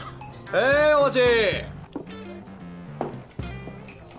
・へいお待ち。